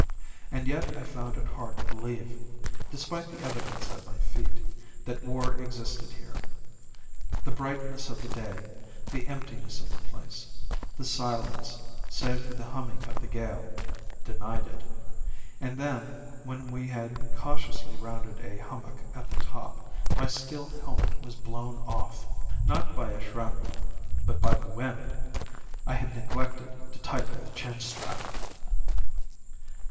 And yet I found it hard to believe despite the evidence at my feet that war existed here. The brightness of the day, the emptiness of the place, the silence save for the humming of the gale denied it. And then, when we had cautiously rounded a hummock at the top, my steel helmet was blown off not by a shrapnel, but by the wind! I had neglected to tighten the chin strap.